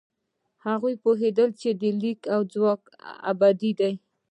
هغوی پوهېدل چې د لیک ځواک ابدي دی.